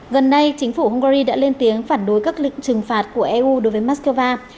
gần đây chính phủ hungary đã lên tiếng phản đối các lệnh trừng phạt của eu đối với moscow